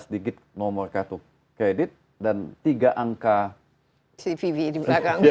enam belas digit nomor kartu kredit dan tiga angka cvv di belakang